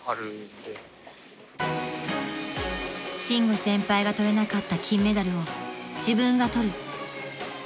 ［伸吾先輩が取れなかった金メダルを自分が取る］